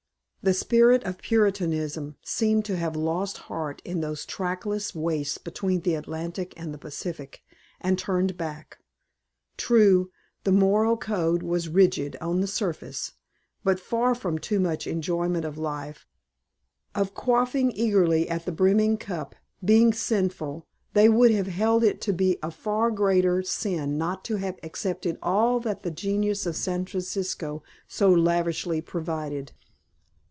The spirit of Puritanism seemed to have lost heart in those trackless wastes between the Atlantic and the Pacific and turned back. True, the moral code was rigid (on the surface); but far from too much enjoyment of life, of quaffing eagerly at the brimming cup, being sinful, they would have held it to be a far greater sin not to have accepted all that the genius of San Francisco so lavishly provided.